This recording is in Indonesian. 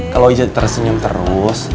kalau ije terus senyum terus